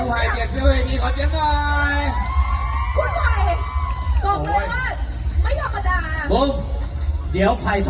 ไหวไหม